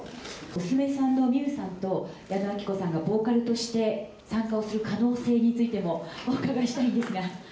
娘さんの美雨さんと矢野顕子さんがボーカルとして参加をする可能性についてもお伺いしたいんですが。